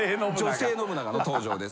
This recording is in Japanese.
女性信長の登場です。